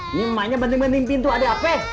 ini emaknya bener bener nimpin tuh ada apa